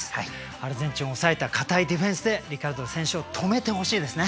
アルゼンチンを抑えた堅いディフェンスでリカルド選手を止めてほしいですね。